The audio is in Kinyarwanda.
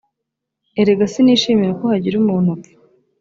erega sinishimira ko hagira umuntu upfa